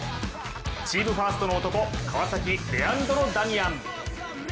チームファーストの男、川崎、レアンドロ・ダミアン。